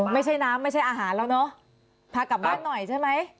ไม่ใช่น้ำไม่ใช่อาหารแล้วเนอะพากลับบ้านหน่อยใช่ไหม